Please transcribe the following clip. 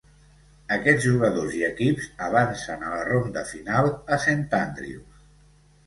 Aquests jugadors i equips avancen a la ronda final a Saint Andrews.